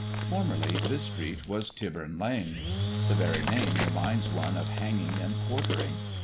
Formerly this street was Tyburn lane. The very name reminds one of hanging and quartering.